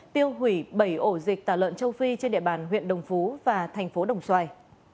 tiêu hủy bảy ổ dịch tả lợn châu phi trên địa bàn huyện đồng phú và thành phố đồng xoài